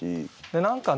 何かね